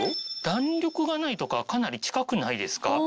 「弾力がない」とかかなり近くないですか。